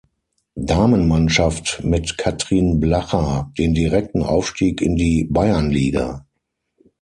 Damenmannschaft mit Kathrin Blacha den direkten Aufstieg in die Bayernliga.